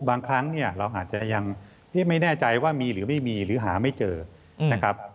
บางครั้งเนี่ยเราอาจจะยังไม่แน่ใจว่ามีหรือไม่มีหรือหาไม่เจอนะครับ